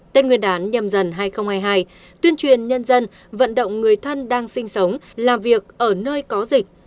tên nguyên đán nhầm dần hai nghìn hai mươi hai tuyên truyền nhân dân vận động người thân đang sinh sống làm việc ở nơi có dịch